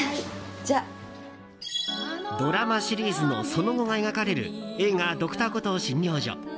ドラマシリーズのその後が描かれる映画「Ｄｒ．コトー診療所」。